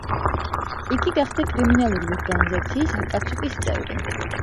იგი გახდა კრიმინალური ორგანიზაციის: აკაცუკის წევრი.